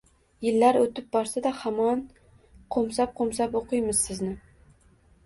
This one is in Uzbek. Yillar oʻtib borsa-da, hamon qoʻmsab-qoʻmsab oʻqiymiz sizni.